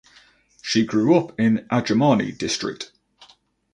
She grew up in Adjumani district.